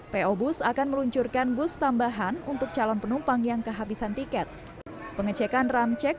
po bus akan meluncurkan bus tambahan untuk calon penumpang yang kehabisan tiket pengecekan ramcek